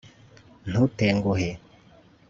ntutenguhe